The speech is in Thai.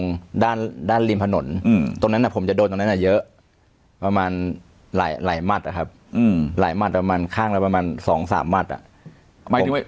ไปตรงด้านด้านริมถนนตรงนั้นผมจะโดนตรงนั้นเยอะประมาณหลายหลายมัตต์ครับหลายมัตต์ประมาณข้างแล้วประมาณสองสามมัตต์